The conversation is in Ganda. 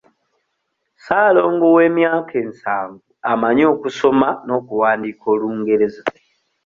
Ssaalongo ow'emyaka ensavu amanyi okusoma n'okuwandiika Olungereza.